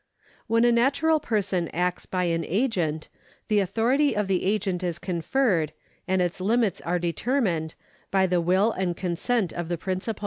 When a natural person acts by an agent, the authority of the agent is conferred, and its limits are determined, by the will and consent of the principal.